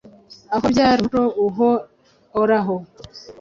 aho byari umuco uhooraho